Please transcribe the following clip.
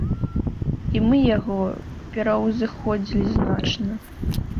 І мы яго пераўзыходзілі значна.